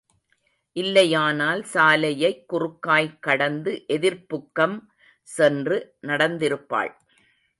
இல்லையானால் சாலையைக் குறுக்காய் கடந்து எதிர்ப்புக்கம் சென்று, நடந்திருப்பாள்.